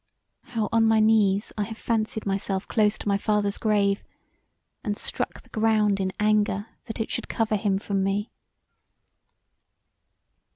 How, on my knees I have fancied myself close to my father's grave and struck the ground in anger that it should cover him from me.